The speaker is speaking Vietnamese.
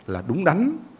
là đúng đắn